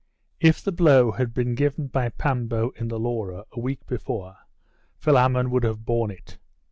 If the blow had been given by Pambo in the Laura a week before, Philammon would have borne it.